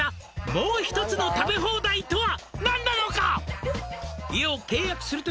「もう一つの食べ放題とは何なのか？」